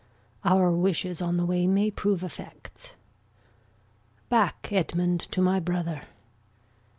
Our wishes on the way May prove effects. Back, Edmund, to my brother.